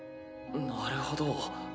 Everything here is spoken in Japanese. なるほど。